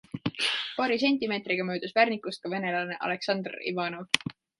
Paari sentimeetriga möödus Värnikust ka venelane Aleksandr Ivanov.